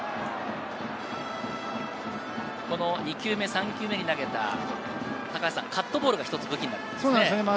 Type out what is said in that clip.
２球目、３球目に投げたカットボールが一つ武器なんですね。